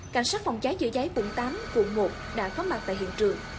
cảnh sát phòng cháy chữa cháy bụng tám bụng một đã có mặt tại hiện trường